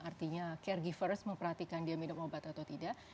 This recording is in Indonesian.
artinya caregivers memperhatikan dia minum obat atau tidak